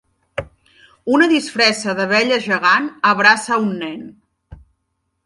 Una disfressa d'abella gegant abraça a un nen.